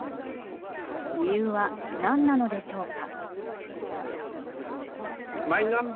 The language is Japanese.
理由は何なのでしょうか。